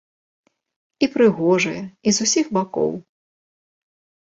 І прыгожая, і з усіх бакоў.